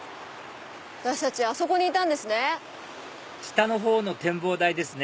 私たちあそこにいたんですね。